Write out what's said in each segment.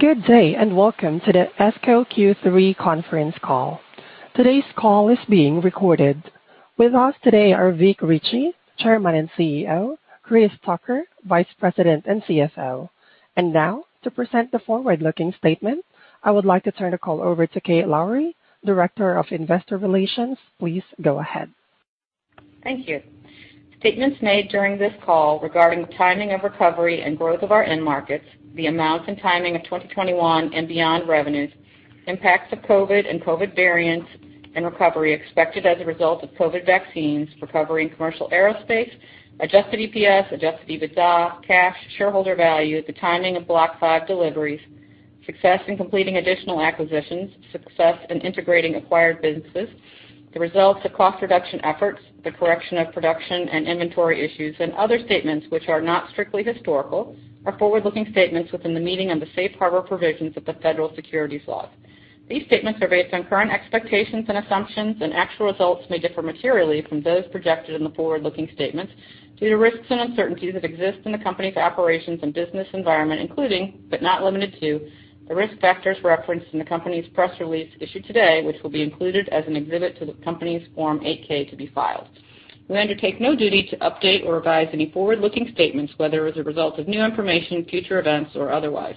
Good day and welcome to the ESCO Q3 conference call. Today's call is being recorded. With us today are Vic Richey, Chairman and CEO. Chris Tucker, Vice President and CFO. And now, to present the forward-looking statement, I would like to turn the call over to Kate Lowrey, Director of Investor Relations. Please go ahead. Thank you. Statements made during this call regarding the timing of recovery and growth of our end markets, the amount and timing of 2021 and beyond revenues, impacts of COVID and COVID variants, and recovery expected as a result of COVID vaccines, recovery in commercial aerospace, Adjusted EPS, Adjusted EBITDA, cash, shareholder value, the timing of Block V deliveries, success in completing additional acquisitions, success in integrating acquired businesses, the results of cost reduction efforts, the correction of production and inventory issues, and other statements which are not strictly historical are forward-looking statements within the meaning of the Safe Harbor provisions of the Federal Securities Laws. These statements are based on current expectations and assumptions, and actual results may differ materially from those projected in the forward-looking statements due to risks and uncertainties that exist in the company's operations and business environment, including, but not limited to, the risk factors referenced in the company's press release issued today, which will be included as an exhibit to the company's Form 8-K to be filed. We undertake no duty to update or revise any forward-looking statements, whether as a result of new information, future events, or otherwise.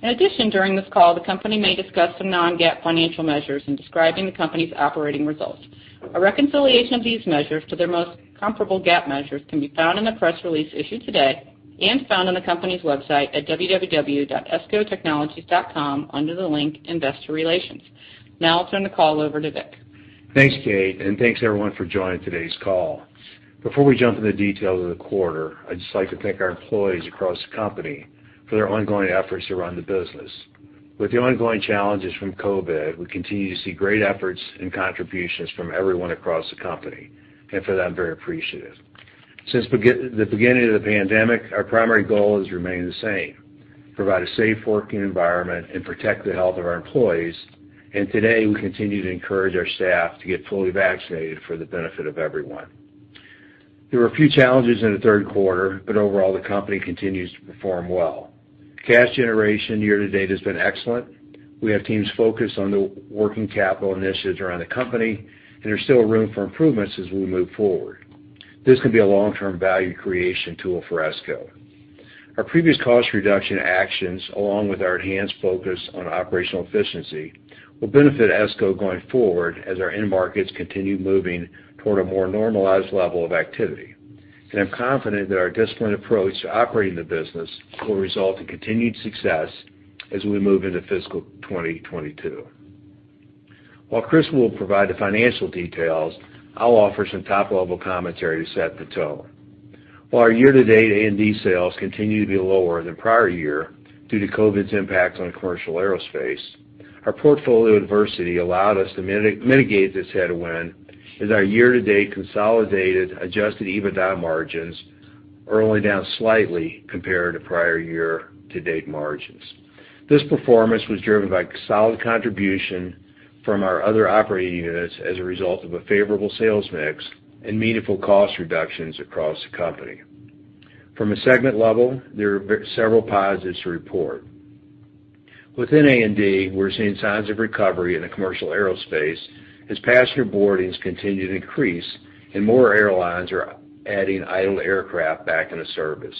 In addition, during this call, the company may discuss some non-GAAP financial measures in describing the company's operating results. A reconciliation of these measures to their most comparable GAAP measures can be found in the press release issued today and found on the company's website at www.escotechnologies.com under the link Investor Relations. Now I'll turn the call over to Vic. Thanks, Kate, and thanks everyone for joining today's call. Before we jump into the details of the quarter, I'd just like to thank our employees across the company for their ongoing efforts to run the business. With the ongoing challenges from COVID, we continue to see great efforts and contributions from everyone across the company, and for that, I'm very appreciative. Since the beginning of the pandemic, our primary goal has remained the same: provide a safe working environment and protect the health of our employees, and today we continue to encourage our staff to get fully vaccinated for the benefit of everyone. There were a few challenges in the third quarter, but overall the company continues to perform well. Cash generation year to date has been excellent. We have teams focused on the working capital initiatives around the company, and there's still room for improvements as we move forward. This can be a long-term value creation tool for ESCO. Our previous cost reduction actions, along with our enhanced focus on operational efficiency, will benefit ESCO going forward as our end markets continue moving toward a more normalized level of activity, and I'm confident that our disciplined approach to operating the business will result in continued success as we move into fiscal 2022. While Chris will provide the financial details, I'll offer some top-level commentary to set the tone. While our year-to-date A&D sales continue to be lower than prior year due to COVID's impact on commercial aerospace, our portfolio diversity allowed us to mitigate this headwind as our year-to-date consolidated adjusted EBITDA margins are only down slightly compared to prior year-to-date margins. This performance was driven by solid contribution from our other operating units as a result of a favorable sales mix and meaningful cost reductions across the company. From a segment level, there are several positives to report. Within A&D, we're seeing signs of recovery in the commercial aerospace as passenger boardings continue to increase and more airlines are adding idle aircraft back into service.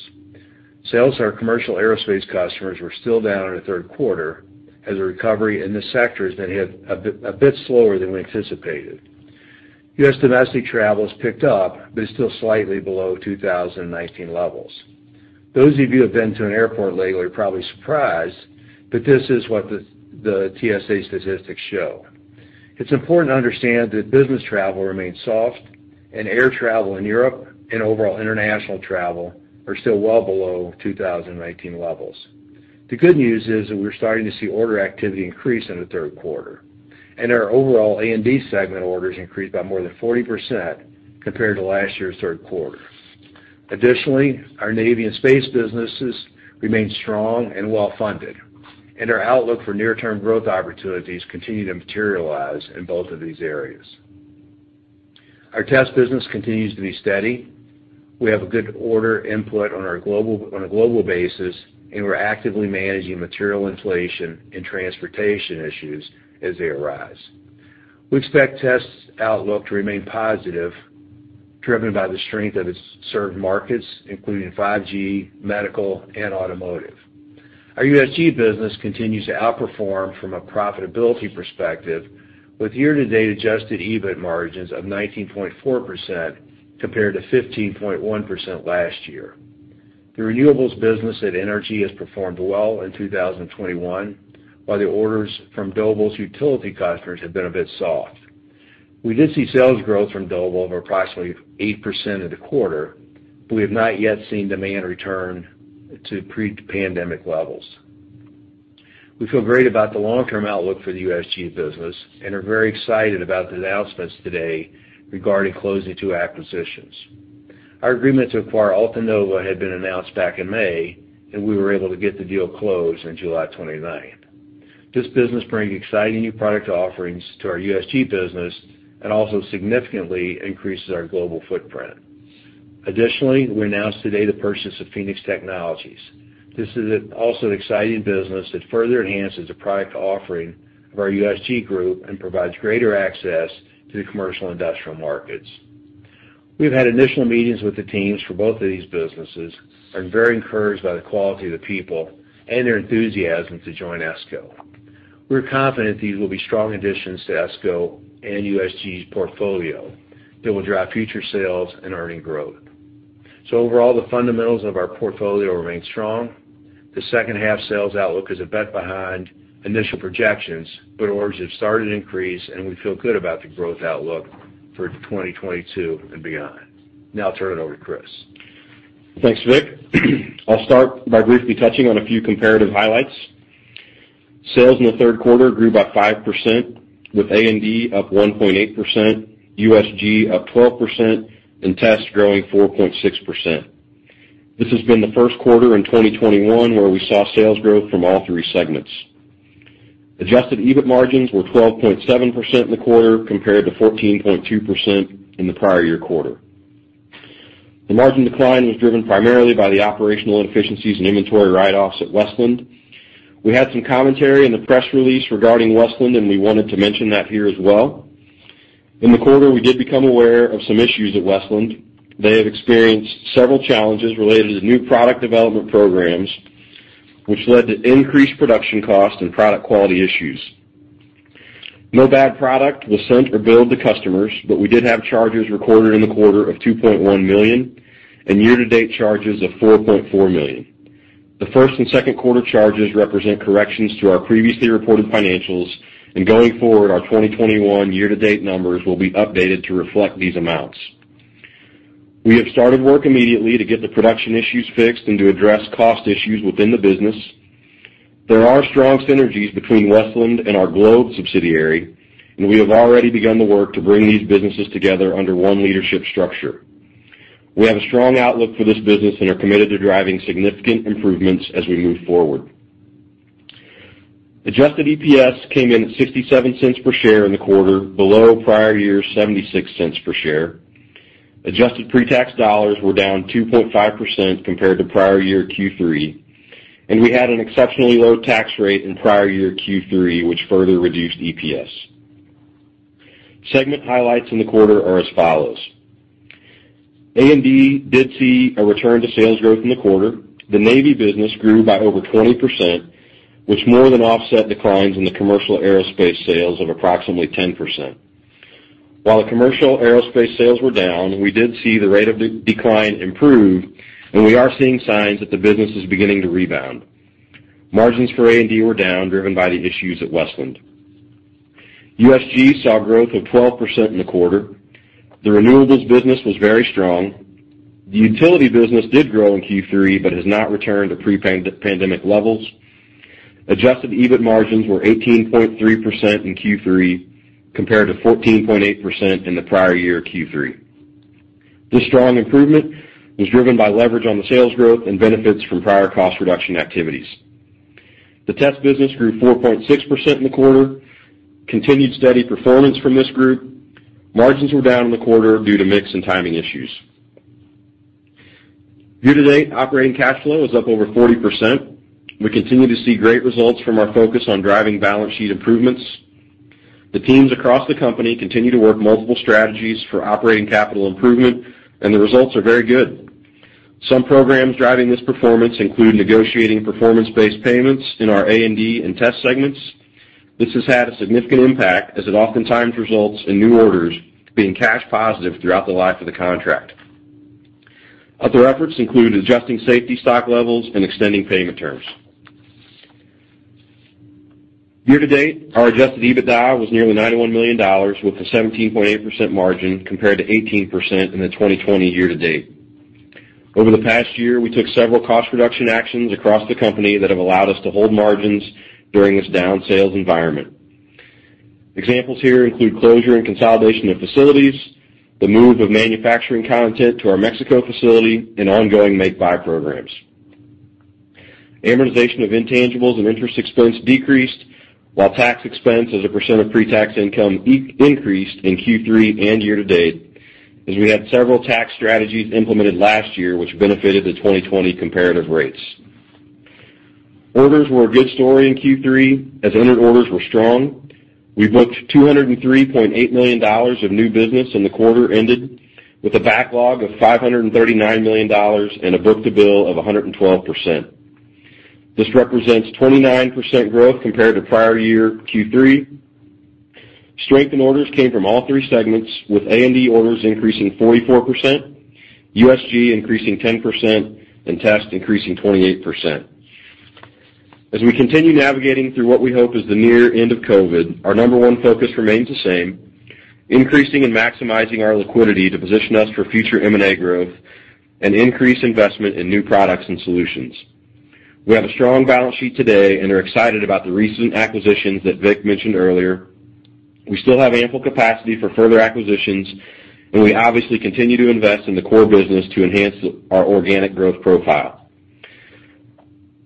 Sales to our commercial aerospace customers were still down in the third quarter as the recovery in this sector has been a bit slower than we anticipated. U.S. domestic travel has picked up but is still slightly below 2019 levels. Those of you who have been to an airport lately are probably surprised, but this is what the TSA statistics show. It's important to understand that business travel remains soft, and air travel in Europe and overall international travel are still well below 2019 levels. The good news is that we're starting to see order activity increase in the third quarter, and our overall A&D segment orders increased by more than 40% compared to last year's third quarter. Additionally, our Navy and space businesses remain strong and well-funded, and our outlook for near-term growth opportunities continue to materialize in both of these areas. Our test business continues to be steady. We have a good order input on a global basis, and we're actively managing material inflation and transportation issues as they arise. We expect test outlook to remain positive, driven by the strength of its served markets, including 5G, medical, and automotive. Our USG business continues to outperform from a profitability perspective, with year-to-date Adjusted EBIT margins of 19.4% compared to 15.1% last year. The renewables business at NRG has performed well in 2021, while the orders from Doble's utility customers have been a bit soft. We did see sales growth from Doble of approximately 8% in the quarter, but we have not yet seen demand return to pre-pandemic levels. We feel great about the long-term outlook for the USG business and are very excited about the announcements today regarding closing two acquisitions. Our agreement to acquire Altanova had been announced back in May, and we were able to get the deal closed on July 29th. This business brings exciting new product offerings to our USG business and also significantly increases our global footprint. Additionally, we announced today the purchase of Phenix Technologies. This is also an exciting business that further enhances the product offering of our USG group and provides greater access to the commercial industrial markets. We've had initial meetings with the teams for both of these businesses and are very encouraged by the quality of the people and their enthusiasm to join ESCO. We're confident these will be strong additions to ESCO and USG's portfolio that will drive future sales and earnings growth. So overall, the fundamentals of our portfolio remain strong. The second-half sales outlook is a bit behind initial projections, but orders have started to increase, and we feel good about the growth outlook for 2022 and beyond. Now I'll turn it over to Chris. Thanks, Vic. I'll start by briefly touching on a few comparative highlights. Sales in the third quarter grew by 5%, with A&D up 1.8%, USG up 12%, and Test growing 4.6%. This has been the first quarter in 2021 where we saw sales growth from all three segments. Adjusted EBIT margins were 12.7% in the quarter compared to 14.2% in the prior year quarter. The margin decline was driven primarily by the operational inefficiencies and inventory write-offs at Westland. We had some commentary in the press release regarding Westland, and we wanted to mention that here as well. In the quarter, we did become aware of some issues at Westland. They have experienced several challenges related to new product development programs, which led to increased production costs and product quality issues. No bad product was sent or billed to customers, but we did have charges recorded in the quarter of $2.1 million and year-to-date charges of $4.4 million. The first and second quarter charges represent corrections to our previously reported financials, and going forward, our 2021 year-to-date numbers will be updated to reflect these amounts. We have started work immediately to get the production issues fixed and to address cost issues within the business. There are strong synergies between Westland and our Globe subsidiary, and we have already begun the work to bring these businesses together under one leadership structure. We have a strong outlook for this business and are committed to driving significant improvements as we move forward. Adjusted EPS came in at $0.67 per share in the quarter, below prior year's $0.76 per share. Adjusted pretax dollars were down 2.5% compared to prior year Q3, and we had an exceptionally low tax rate in prior year Q3, which further reduced EPS. Segment highlights in the quarter are as follows. A&D did see a return to sales growth in the quarter. The navy business grew by over 20%, which more than offset declines in the commercial aerospace sales of approximately 10%. While the commercial aerospace sales were down, we did see the rate of decline improve, and we are seeing signs that the business is beginning to rebound. Margins for A&D were down, driven by the issues at Westland. USG saw growth of 12% in the quarter. The renewables business was very strong. The utility business did grow in Q3 but has not returned to pre-pandemic levels. Adjusted EBIT margins were 18.3% in Q3 compared to 14.8% in the prior year Q3. This strong improvement was driven by leverage on the sales growth and benefits from prior cost reduction activities. The test business grew 4.6% in the quarter. Continued steady performance from this group. Margins were down in the quarter due to mix and timing issues. Year-to-date, operating cash flow is up over 40%. We continue to see great results from our focus on driving balance sheet improvements. The teams across the company continue to work multiple strategies for operating capital improvement, and the results are very good. Some programs driving this performance include negotiating performance-based payments in our A&D and test segments. This has had a significant impact as it oftentimes results in new orders being cash positive throughout the life of the contract. Other efforts include adjusting safety stock levels and extending payment terms. Year-to-date, our adjusted EBITDA was nearly $91 million, with a 17.8% margin compared to 18% in the 2020 year-to-date. Over the past year, we took several cost reduction actions across the company that have allowed us to hold margins during this downsales environment. Examples here include closure and consolidation of facilities, the move of manufacturing content to our Mexico facility, and ongoing make-buy programs. Amortization of intangibles and interest expense decreased, while tax expense as a percent of pretax income increased in Q3 and year-to-date as we had several tax strategies implemented last year, which benefited the 2020 comparative rates. Orders were a good story in Q3 as entered orders were strong. We booked $203.8 million of new business in the quarter ended with a backlog of $539 million and a book-to-bill of 112%. This represents 29% growth compared to prior year Q3. Strength in orders came from all three segments, with A&D orders increasing 44%, USG increasing 10%, and test increasing 28%. As we continue navigating through what we hope is the near end of COVID, our number one focus remains the same: increasing and maximizing our liquidity to position us for future M&A growth and increase investment in new products and solutions. We have a strong balance sheet today and are excited about the recent acquisitions that Vic mentioned earlier. We still have ample capacity for further acquisitions, and we obviously continue to invest in the core business to enhance our organic growth profile.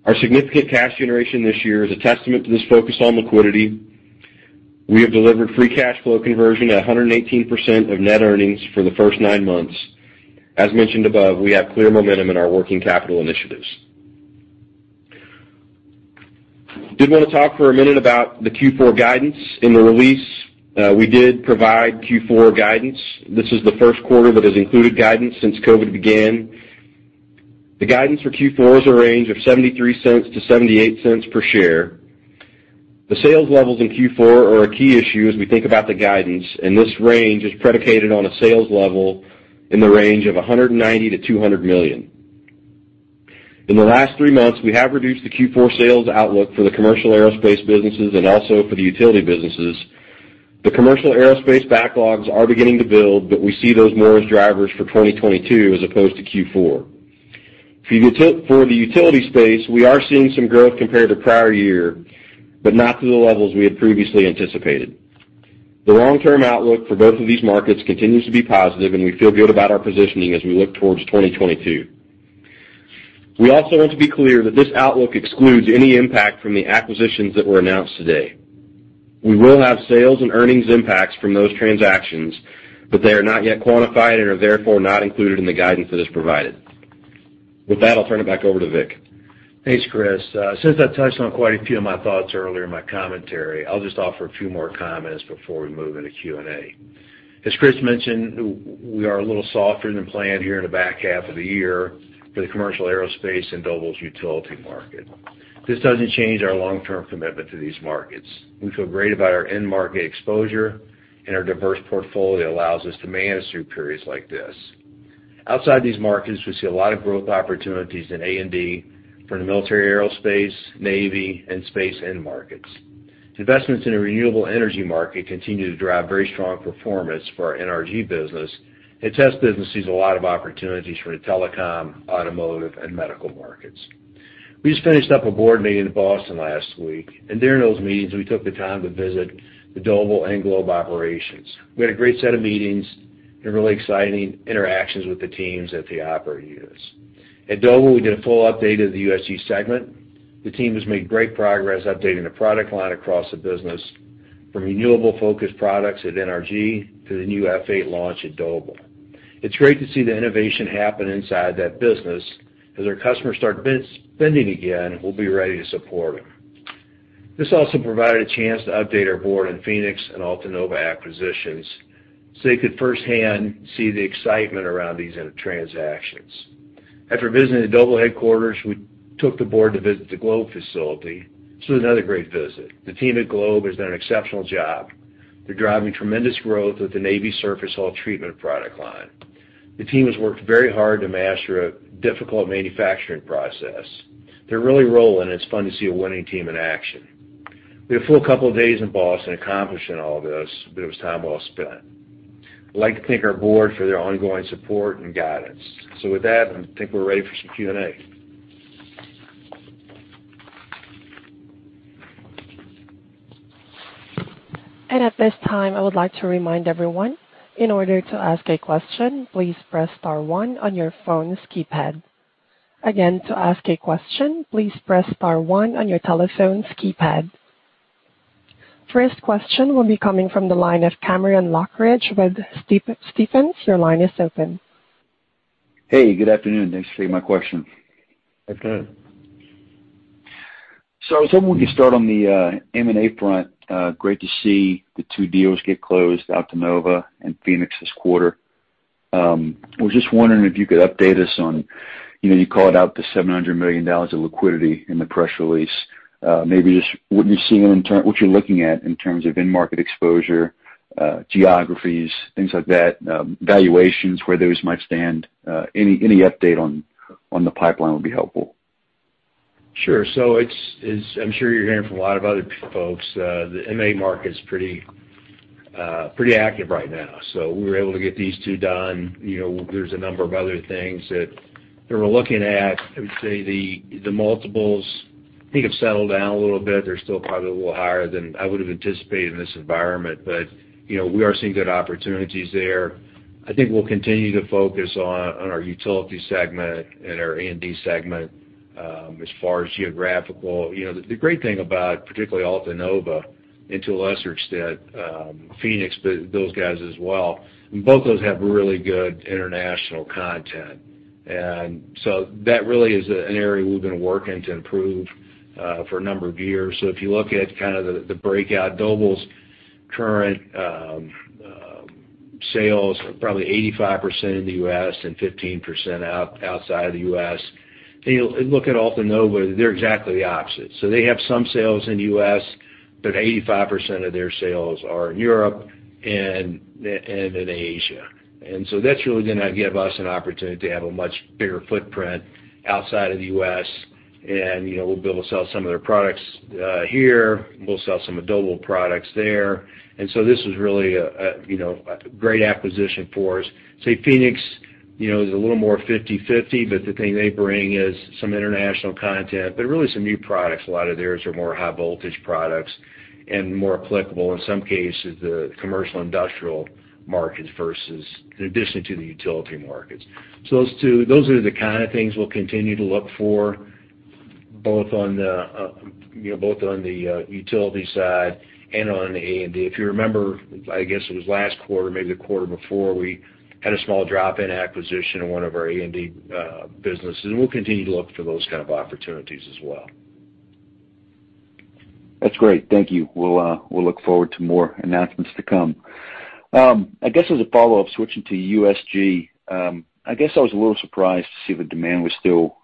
Our significant cash generation this year is a testament to this focus on liquidity. We have delivered free cash flow conversion at 118% of net earnings for the first nine months. As mentioned above, we have clear momentum in our working capital initiatives. did want to talk for a minute about the Q4 guidance in the release. We did provide Q4 guidance. This is the first quarter that has included guidance since COVID began. The guidance for Q4 is a range of $0.73-$0.78 per share. The sales levels in Q4 are a key issue as we think about the guidance, and this range is predicated on a sales level in the range of $190 million-$200 million. In the last three months, we have reduced the Q4 sales outlook for the commercial aerospace businesses and also for the utility businesses. The commercial aerospace backlogs are beginning to build, but we see those more as drivers for 2022 as opposed to Q4. For the utility space, we are seeing some growth compared to prior year, but not to the levels we had previously anticipated. The long-term outlook for both of these markets continues to be positive, and we feel good about our positioning as we look towards 2022. We also want to be clear that this outlook excludes any impact from the acquisitions that were announced today. We will have sales and earnings impacts from those transactions, but they are not yet quantified and are therefore not included in the guidance that is provided. With that, I'll turn it back over to Vic. Thanks, Chris. Since I touched on quite a few of my thoughts earlier in my commentary, I'll just offer a few more comments before we move into Q&A. As Chris mentioned, we are a little softer than planned here in the back half of the year for the commercial aerospace and Doble's utility market. This doesn't change our long-term commitment to these markets. We feel great about our end-market exposure, and our diverse portfolio allows us to manage through periods like this. Outside these markets, we see a lot of growth opportunities in A&D from the military aerospace, navy, and space end markets. Investments in the renewable energy market continue to drive very strong performance for our NRG business, and test business sees a lot of opportunities from the telecom, automotive, and medical markets. We just finished up a board meeting in Boston last week, and during those meetings, we took the time to visit the Doble and Globe operations. We had a great set of meetings and really exciting interactions with the teams at the operating units. At Doble, we did a full update of the USG segment. The team has made great progress updating the product line across the business, from renewable-focused products at NRG to the new F8 launch at Doble. It's great to see the innovation happen inside that business as our customers start spending again and we'll be ready to support them. This also provided a chance to update our board on Phenix and Altanova acquisitions so they could firsthand see the excitement around these transactions. After visiting the Doble headquarters, we took the board to visit the Globe facility. This was another great visit. The team at Globe has done an exceptional job. They're driving tremendous growth with the navy surface hull treatment product line. The team has worked very hard to master a difficult manufacturing process. They're really rolling, and it's fun to see a winning team in action. We had a full couple of days in Boston accomplishing all this, but it was time well spent. I'd like to thank our board for their ongoing support and guidance. With that, I think we're ready for some Q&A. At this time, I would like to remind everyone, in order to ask a question, please press star one on your phone's keypad. Again, to ask a question, please press star one on your telephone's keypad. First question will be coming from the line of Cameron Lochridge with Stephens. Your line is open. Hey, good afternoon. Thanks for taking my question. Good afternoon. So if someone could start on the M&A front, great to see the two deals get closed, Altanova and Phenix this quarter. I was just wondering if you could update us on you called out the $700 million of liquidity in the press release. Maybe just what you're seeing in terms what you're looking at in terms of end-market exposure, geographies, things like that, valuations, where those might stand. Any update on the pipeline would be helpful. Sure. So I'm sure you're hearing from a lot of other folks. The M&A market's pretty active right now. So we were able to get these two done. There's a number of other things that we're looking at. I would say the multiples I think have settled down a little bit. They're still probably a little higher than I would have anticipated in this environment, but we are seeing good opportunities there. I think we'll continue to focus on our utility segment and our A&D segment as far as geographical. The great thing about particularly Altanova, and to a lesser extent Phenix, but those guys as well, and both of those have really good international content. And so that really is an area we've been working to improve for a number of years. So if you look at kind of the breakout, Doble's current sales are probably 85% in the U.S. and 15% outside of the U.S. And you look at Altanova, they're exactly the opposite. So they have some sales in the U.S., but 85% of their sales are in Europe and in Asia. And so that's really going to give us an opportunity to have a much bigger footprint outside of the U.S. And we'll be able to sell some of their products here. We'll sell some of Doble products there. And so this was really a great acquisition for us. Say Phenix is a little more 50/50, but the thing they bring is some international content, but really some new products. A lot of theirs are more high-voltage products and more applicable, in some cases, to the commercial industrial markets versus in addition to the utility markets. So those are the kind of things we'll continue to look for, both on the utility side and on the A&D. If you remember, I guess it was last quarter, maybe the quarter before, we had a small drop-in acquisition of one of our A&D businesses. And we'll continue to look for those kind of opportunities as well. That's great. Thank you. We'll look forward to more announcements to come. I guess as a follow-up, switching to USG, I guess I was a little surprised to see the demand was still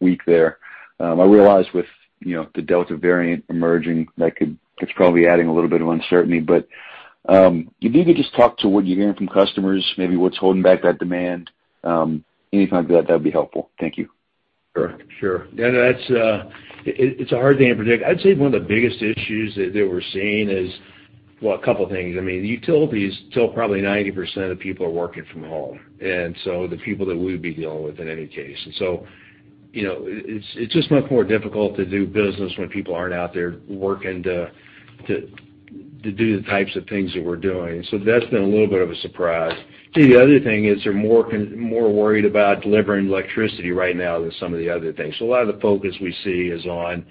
weak there. I realize with the Delta variant emerging, that's probably adding a little bit of uncertainty. But if you could just talk to what you're hearing from customers, maybe what's holding back that demand, anything like that, that'd be helpful. Thank you. Sure. Sure. Yeah, no, it's a hard thing to predict. I'd say one of the biggest issues that we're seeing is, well, a couple of things. I mean, the utilities, still probably 90% of people are working from home. And so the people that we would be dealing with in any case. And so it's just much more difficult to do business when people aren't out there working to do the types of things that we're doing. And so that's been a little bit of a surprise. The other thing is they're more worried about delivering electricity right now than some of the other things. So a lot of the focus we see is on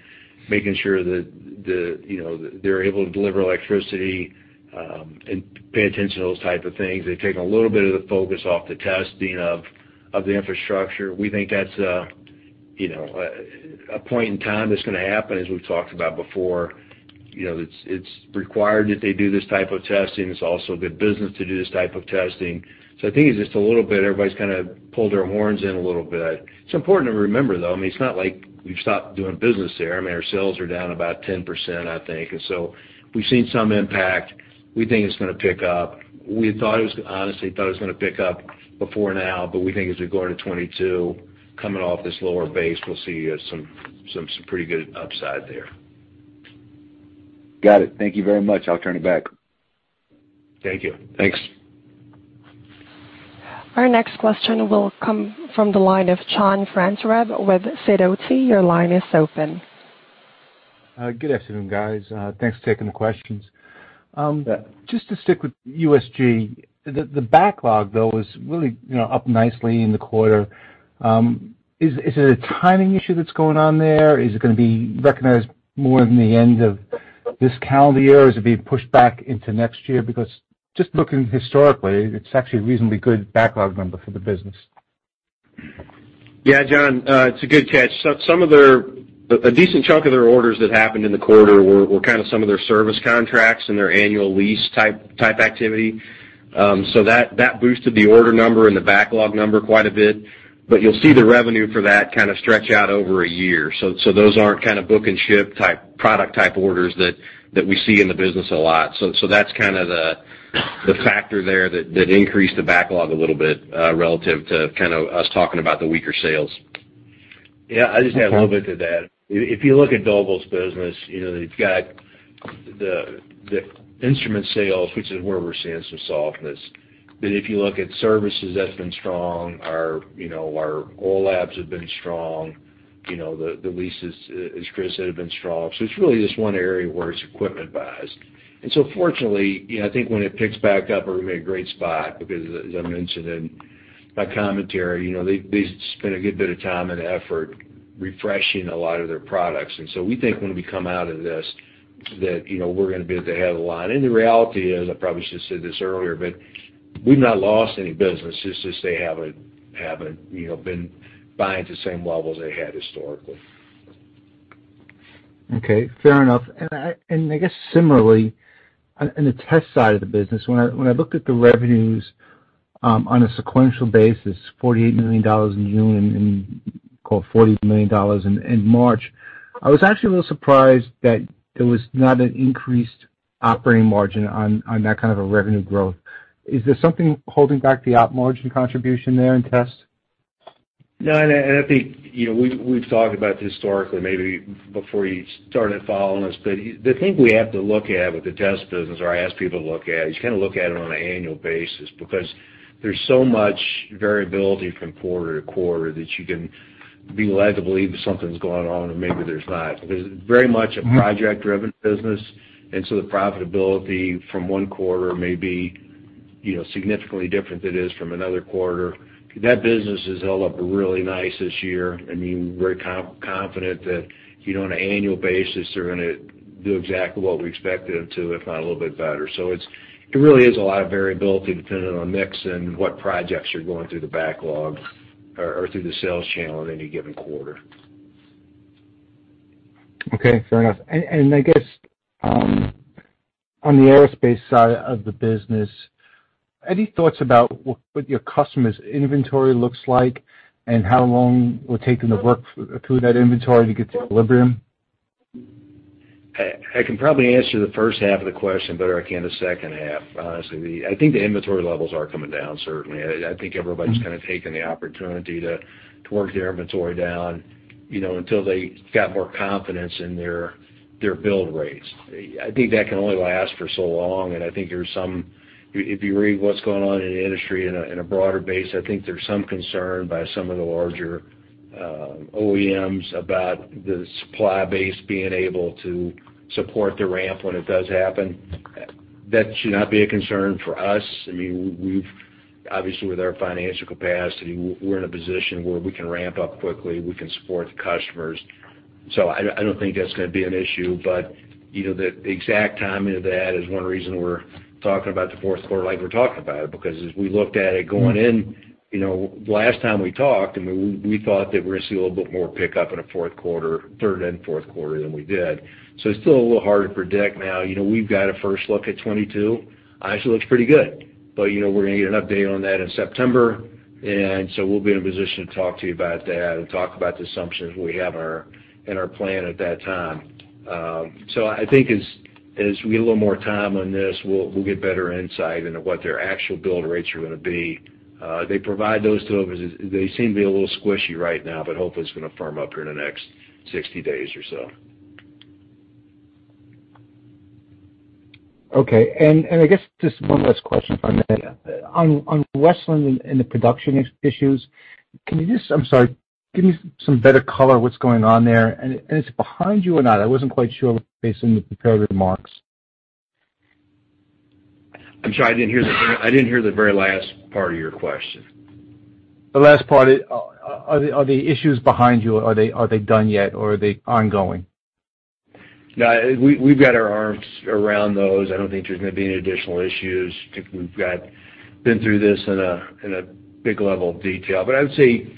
making sure that they're able to deliver electricity and pay attention to those type of things. They've taken a little bit of the focus off the testing of the infrastructure. We think that's a point in time that's going to happen, as we've talked about before. It's required that they do this type of testing. It's also good business to do this type of testing. So I think it's just a little bit everybody's kind of pulled their horns in a little bit. It's important to remember, though. I mean, it's not like we've stopped doing business there. I mean, our sales are down about 10%, I think. And so we've seen some impact. We think it's going to pick up. We honestly thought it was going to pick up before now, but we think as we go into 2022, coming off this lower base, we'll see some pretty good upside there. Got it. Thank you very much. I'll turn it back. Thank you. Thanks. Our next question will come from the line of John Franzreb with Sidoti. Your line is open. Good afternoon, guys. Thanks for taking the questions. Just to stick with USG, the backlog, though, is really up nicely in the quarter. Is it a timing issue that's going on there? Is it going to be recognized more in the end of this calendar year, or is it being pushed back into next year? Because just looking historically, it's actually a reasonably good backlog number for the business. Yeah, John, it's a good catch. A decent chunk of their orders that happened in the quarter were kind of some of their service contracts and their annual lease-type activity. So that boosted the order number and the backlog number quite a bit. But you'll see the revenue for that kind of stretch out over a year. So those aren't kind of book-and-ship type product-type orders that we see in the business a lot. So that's kind of the factor there that increased the backlog a little bit relative to kind of us talking about the weaker sales. Yeah, I just had a little bit to that. If you look at Doble's business, they've got the instrument sales, which is where we're seeing some softness. But if you look at services, that's been strong. Our oil labs have been strong. The leases, as Chris said, have been strong. So it's really just one area where it's equipment-wise. And so fortunately, I think when it picks back up, we're going to be in a great spot because, as I mentioned in my commentary, they've spent a good bit of time and effort refreshing a lot of their products. And so we think when we come out of this, that we're going to be at the head of the line. And the reality is, I probably should have said this earlier, but we've not lost any business. It's just they haven't been buying at the same levels they had historically. Okay. Fair enough. And I guess similarly, on the test side of the business, when I looked at the revenues on a sequential basis, $48 million in June and, call it, $40 million in March, I was actually a little surprised that there was not an increased operating margin on that kind of a revenue growth. Is there something holding back the op margin contribution there in test? No, and I think we've talked about this historically, maybe before you started following us, but the thing we have to look at with the test business, or I ask people to look at, is you kind of look at it on an annual basis because there's so much variability from quarter to quarter that you can be led to believe that something's going on, and maybe there's not. Because it's very much a project-driven business, and so the profitability from one quarter may be significantly different than it is from another quarter. That business has held up really nice this year. I mean, we're confident that on an annual basis, they're going to do exactly what we expected them to, if not a little bit better. It really is a lot of variability depending on mix and what projects you're going through the backlog or through the sales channel in any given quarter. Okay. Fair enough. And I guess on the aerospace side of the business, any thoughts about what your customers' inventory looks like and how long it would take them to work through that inventory to get to equilibrium? I can probably answer the first half of the question better than I can than the second half, honestly. I think the inventory levels are coming down, certainly. I think everybody's kind of taking the opportunity to work their inventory down until they've got more confidence in their build rates. I think that can only last for so long. And I think there's some, if you read what's going on in the industry on a broader basis, I think there's some concern by some of the larger OEMs about the supply base being able to support the ramp when it does happen. That should not be a concern for us. I mean, obviously, with our financial capacity, we're in a position where we can ramp up quickly. We can support the customers. So I don't think that's going to be an issue. But the exact timing of that is one reason we're talking about the fourth quarter like we're talking about it. Because as we looked at it going in, the last time we talked, I mean, we thought that we were going to see a little bit more pickup in the third and fourth quarter than we did. So it's still a little hard to predict now. We've got a first look at 2022. It actually looks pretty good. But we're going to get an update on that in September. And so we'll be in a position to talk to you about that and talk about the assumptions we have in our plan at that time. So I think as we get a little more time on this, we'll get better insight into what their actual build rates are going to be. They provide those to us. They seem to be a little squishy right now, but hopefully, it's going to firm up here in the next 60 days or so. Okay. And I guess just one last question, if I may. On Westland and the production issues, can you just? I'm sorry. Give me some better color, what's going on there. And is it behind you or not? I wasn't quite sure based on the prepared remarks. I'm sorry. I didn't hear the very last part of your question. The last part. Are the issues behind you? Are they done yet, or are they ongoing? No, we've got our arms around those. I don't think there's going to be any additional issues. We've been through this in a big level of detail. But I would say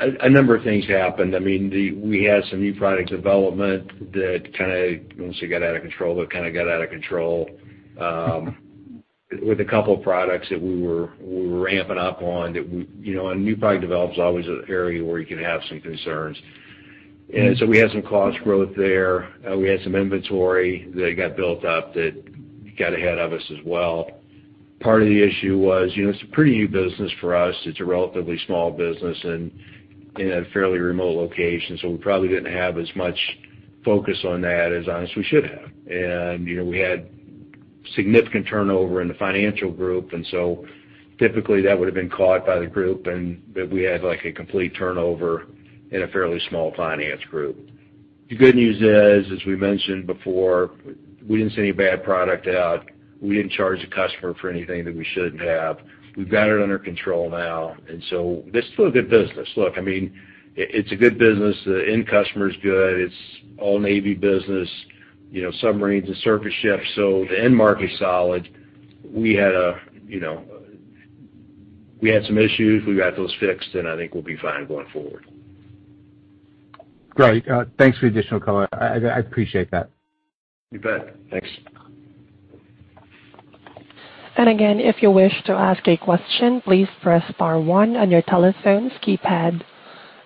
a number of things happened. I mean, we had some new product development that kind of once it got out of control, that kind of got out of control with a couple of products that we were ramping up on. A new product develops always an area where you can have some concerns. And so we had some cost growth there. We had some inventory that got built up that got ahead of us as well. Part of the issue was it's a pretty new business for us. It's a relatively small business in a fairly remote location. So we probably didn't have as much focus on that as, honestly, we should have. And we had significant turnover in the financial group. And so typically, that would have been caught by the group, but we had a complete turnover in a fairly small finance group. The good news is, as we mentioned before, we didn't send any bad product out. We didn't charge the customer for anything that we shouldn't have. We've got it under control now. And so this is still a good business. Look, I mean, it's a good business. The end customer's good. It's all Navy business, submarines and surface ships. So the end market's solid. We had some issues. We got those fixed, and I think we'll be fine going forward. Great. Thanks for the additional color. I appreciate that. You bet. Thanks. Again, if you wish to ask a question, please press star one on your telephone's keypad.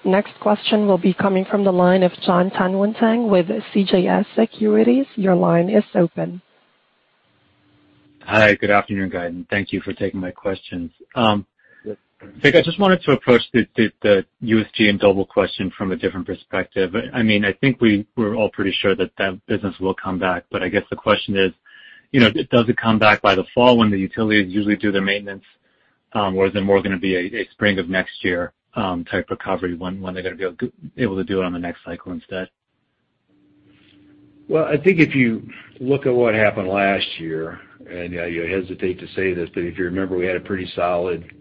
Next question will be coming from the line of John Tanwanteng with CJS Securities. Your line is open. Hi. Good afternoon, guys. Thank you for taking my questions. I think I just wanted to approach the USG and Doble question from a different perspective. I mean, I think we're all pretty sure that that business will come back. But I guess the question is, does it come back by the fall when the utilities usually do their maintenance, or is it more going to be a spring of next year type recovery when they're going to be able to do it on the next cycle instead? Well, I think if you look at what happened last year and I hesitate to say this, but if you remember, we had a pretty solid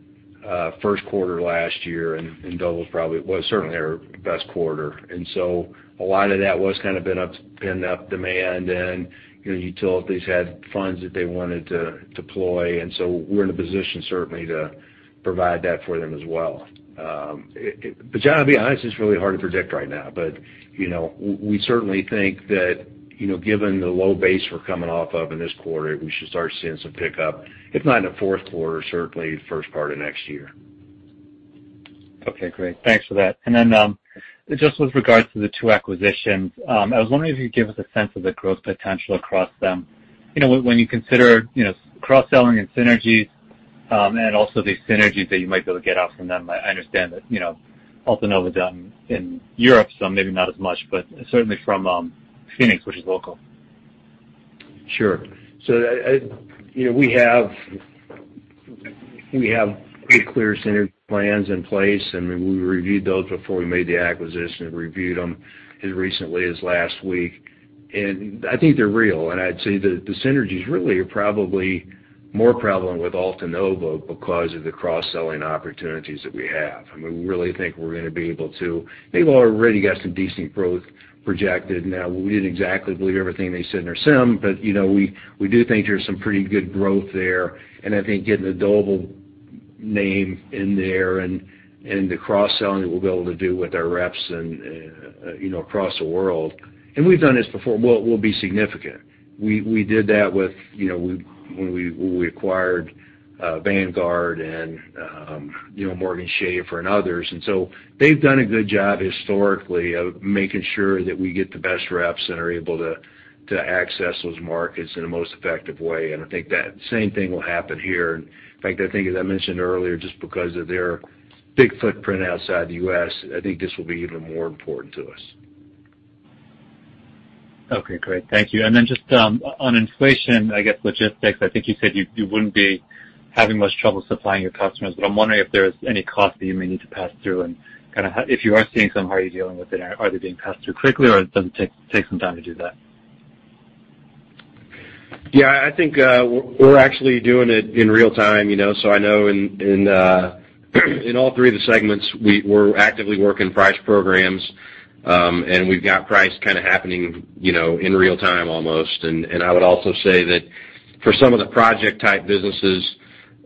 first quarter last year, and Doble probably was certainly our best quarter. So a lot of that was kind of pent-up demand, and utilities had funds that they wanted to deploy. So we're in a position, certainly, to provide that for them as well. But John, I'll be honest. It's really hard to predict right now. But we certainly think that given the low base we're coming off of in this quarter, we should start seeing some pickup, if not in the fourth quarter, certainly the first part of next year. Okay. Great. Thanks for that. And then just with regards to the two acquisitions, I was wondering if you could give us a sense of the growth potential across them. When you consider cross-selling and synergies and also the synergies that you might be able to get off from them, I understand that Altanova's out in Europe, so maybe not as much, but certainly from Phenix, which is local. Sure. So we have pretty clear synergy plans in place. I mean, we reviewed those before we made the acquisition. We reviewed them as recently as last week. And I think they're real. And I'd say the synergies really are probably more prevalent with Altanova because of the cross-selling opportunities that we have. I mean, we really think we're going to be able to. They've already got some decent growth projected. Now, we didn't exactly believe everything they said in our CIM, but we do think there's some pretty good growth there. And I think getting the Doble name in there and the cross-selling that we'll be able to do with our reps across the world and we've done this before. Well, it will be significant. We did that when we acquired Vanguard and Morgan Schaffer and others. And so they've done a good job historically of making sure that we get the best reps and are able to access those markets in the most effective way. And I think that same thing will happen here. In fact, I think, as I mentioned earlier, just because of their big footprint outside the U.S., I think this will be even more important to us. Okay. Great. Thank you. And then just on inflation, I guess logistics, I think you said you wouldn't be having much trouble supplying your customers. But I'm wondering if there's any cost that you may need to pass through. And kind of if you are seeing some, how are you dealing with it? Are they being passed through quickly, or does it take some time to do that? Yeah. I think we're actually doing it in real time. I know in all three of the segments, we're actively working price programs, and we've got price kind of happening in real time almost. I would also say that for some of the project-type businesses,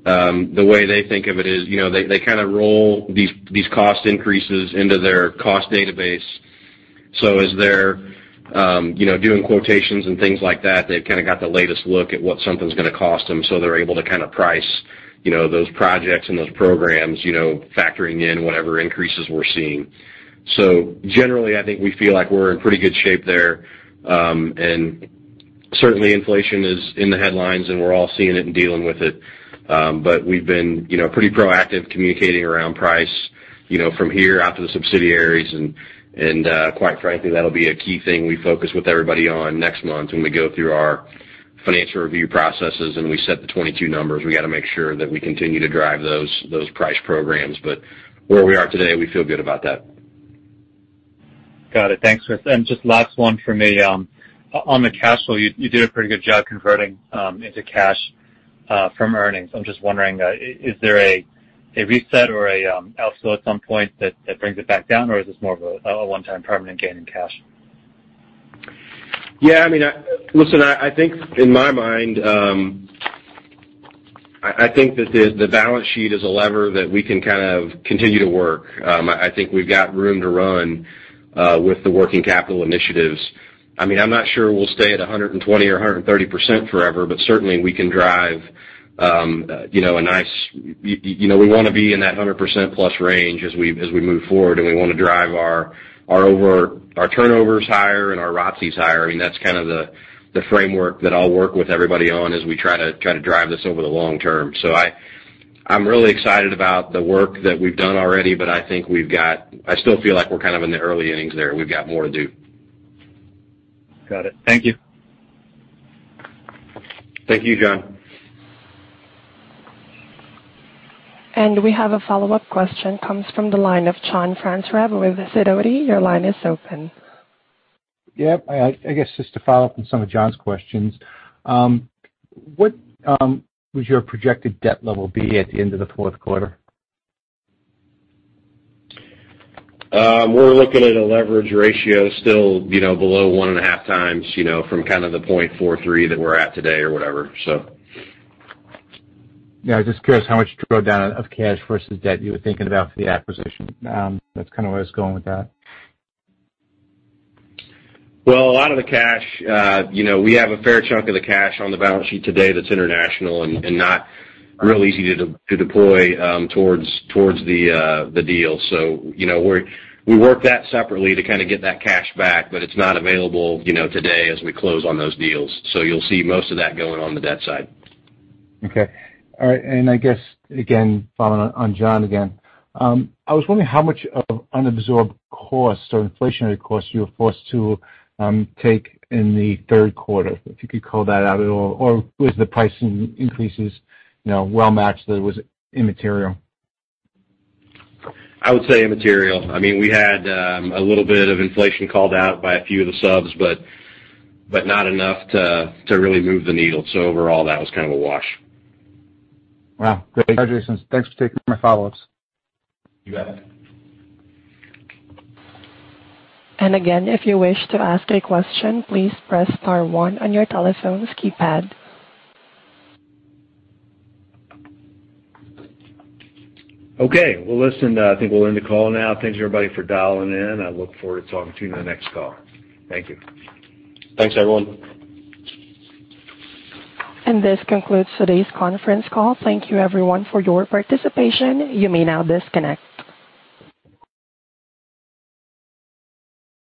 the way they think of it is they kind of roll these cost increases into their cost database. As they're doing quotations and things like that, they've kind of got the latest look at what something's going to cost them. They're able to kind of price those projects and those programs, factoring in whatever increases we're seeing. Generally, I think we feel like we're in pretty good shape there. Certainly, inflation is in the headlines, and we're all seeing it and dealing with it. We've been pretty proactive communicating around price from here out to the subsidiaries. Quite frankly, that'll be a key thing we focus with everybody on next month when we go through our financial review processes and we set the 2022 numbers. We got to make sure that we continue to drive those price programs. But where we are today, we feel good about that. Got it. Thanks, Chris. And just last one for me. On the cash flow, you did a pretty good job converting into cash from earnings. I'm just wondering, is there a reset or an outflow at some point that brings it back down, or is this more of a one-time permanent gain in cash? Yeah. I mean, listen, I think in my mind, I think that the balance sheet is a lever that we can kind of continue to work. I think we've got room to run with the working capital initiatives. I mean, I'm not sure we'll stay at 120% or 130% forever, but certainly, we can drive a nice we want to be in that 100%+ range as we move forward, and we want to drive our turnovers higher and our ROTCs higher. I mean, that's kind of the framework that I'll work with everybody on as we try to drive this over the long term. So I'm really excited about the work that we've done already, but I think we've got I still feel like we're kind of in the early innings there. We've got more to do. Got it. Thank you. Thank you, John. We have a follow-up question. It comes from the line of John Franzreb with Sidoti. Your line is open. Yep. I guess just to follow up on some of John's questions, what would your projected debt level be at the end of the fourth quarter? We're looking at a leverage ratio still below 1.5 times from kind of the 0.43 that we're at today or whatever, so. Yeah. I just curious how much drawdown of cash versus debt you were thinking about for the acquisition? That's kind of where I was going with that. Well, a lot of the cash we have, a fair chunk of the cash on the balance sheet today, that's international and not real easy to deploy towards the deal. So we worked that separately to kind of get that cash back, but it's not available today as we close on those deals. So you'll see most of that going on the debt side. Okay. All right. And I guess, again, following on John again, I was wondering how much of unabsorbed costs or inflationary costs you were forced to take in the third quarter, if you could call that out at all, or was the pricing increases well matched that it was immaterial? I would say immaterial. I mean, we had a little bit of inflation called out by a few of the subs, but not enough to really move the needle. So overall, that was kind of a wash. Wow. Great. That makes sense, thanks for taking my follow-ups. You bet. Again, if you wish to ask a question, please press star one on your telephone's keypad. Okay. Well, listen, I think we're ending the call now. Thanks, everybody, for dialing in. I look forward to talking to you on the next call. Thank you. Thanks, everyone. This concludes today's conference call. Thank you, everyone, for your participation. You may now disconnect.